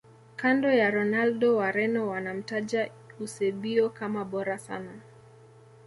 Kando ya Ronaldo wareno wanamtaja eusebio kama bora sana